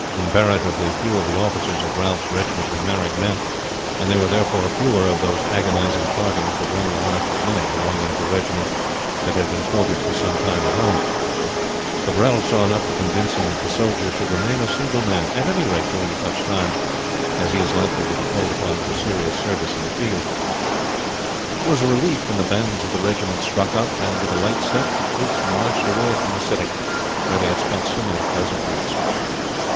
Comparatively few of the officers of Ralph's regiment were married men, and there were therefore fewer of those agonizing partings that wrung the hearts of many belonging to regiments that had been quartered for some time at home; but Ralph saw enough to convince him that the soldier should remain a single man at any rate during such times as he is likely to be called upon for serious service in the field. It was a relief when the bands of the regiment struck up, and with a light step the troops marched away from the city where they had spent so many pleasant weeks.